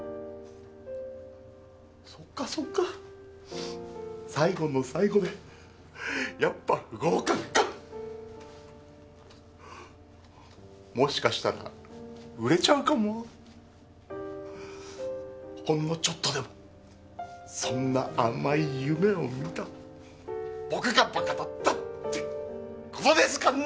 そっかそっか最後の最後でやっぱ不合格かもしかしたら売れちゃうかもほんのちょっとでもそんな甘い夢を見た僕がバカだったってことですかね